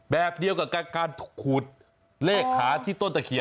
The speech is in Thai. แบบเดียวกับการขูดเลขหาที่ต้นตะเคียน